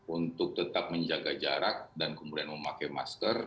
untuk tetap menjaga jarak dan kemudian memakai masker